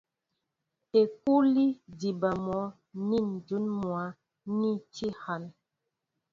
Ekûli é diba mɔ́ nín ǹjún mwǎ ni tí hân.